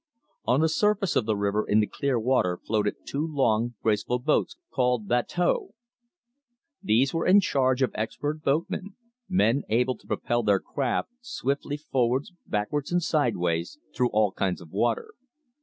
On the surface of the river in the clear water floated two long graceful boats called bateaux. These were in charge of expert boatmen, men able to propel their craft swiftly forwards, backwards and sideways, through all kinds of water.